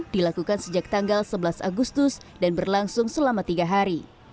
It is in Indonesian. dilakukan sejak tanggal sebelas agustus dan berlangsung selama tiga hari